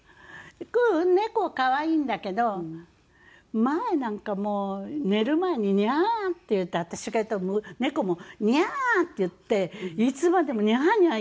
ううん猫は可愛いんだけど前なんかもう寝る前に「ニャー」って言ったら私が言ったら猫も「ニャー！」って言っていつまでも「ニャーニャー」